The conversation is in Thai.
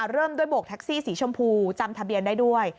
เริ่มด้วยโบกแท็กซี่สีชมพูจำทะเบียนได้ด้วย